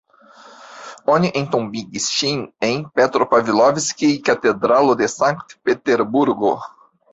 Oni entombigis ŝin en Petropavlovskij-katedralo de Sankt Peterburgo.